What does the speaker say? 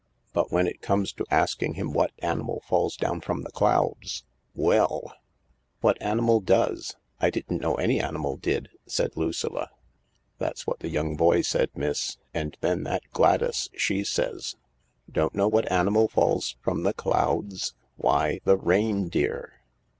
' But when it comes to asking him what animal falls down from the clouds— well !"" What animal does ? I didn't know any animal did," said Lucilla. " That's what the young boy said, miss. And then that Gladys, she says, ' Don't know what animal falls from the clouds ? Why, the reindeer.'